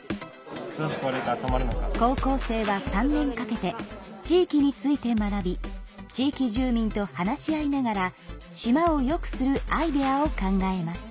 高校生は３年かけて地域について学び地域住民と話し合いながら島をよくするアイデアを考えます。